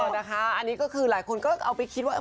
นะคะอันนี้ก็คือหลายคนก็เอาไปคิดว่า